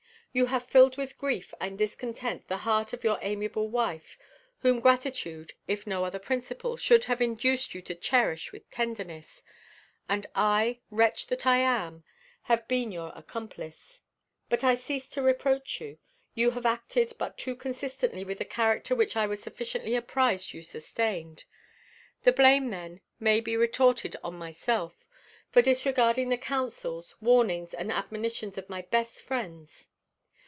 You have filled with grief and discontent the heart of your amiable wife, whom gratitude, if no other principle, should have induced you to cherish with tenderness; and I, wretch that I am, have been your accomplice. But I cease to reproach you. You have acted but too consistently with the character which I was sufficiently apprised you sustained. The blame, then, may be retorted on myself, for disregarding the counsels, warnings, and admonitions of my best friends.